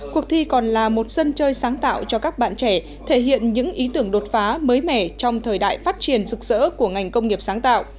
cuộc thi còn là một sân chơi sáng tạo cho các bạn trẻ thể hiện những ý tưởng đột phá mới mẻ trong thời đại phát triển rực rỡ của ngành công nghiệp sáng tạo